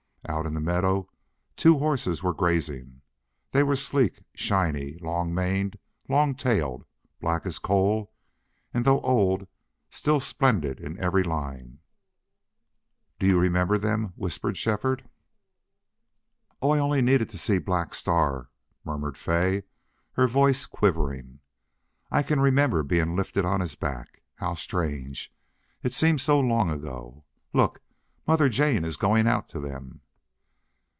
Out in the meadow two horses were grazing. They were sleek, shiny, long maned, long tailed, black as coal, and, though old, still splendid in every line. "Do you remember them?" whispered Shefford. "Oh, I only needed to see Black Star," murmured Fay, her voice quivering. "I can remember being lifted on his back.... How strange! It seems so long ago.... Look! Mother Jane is going out to them."